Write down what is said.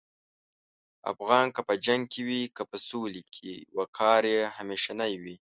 افغان که په جنګ کې وي که په سولې کې، وقار یې همیشنی وي.